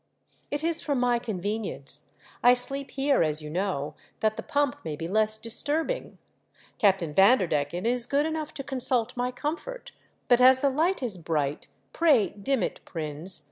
"It is for my convenience ; I sleep here as you know, that the pump may be less dis turbing. Captain Vanderdecken is good (Miough to consult my comfort, but as the light is bright, pray dim it, Prins.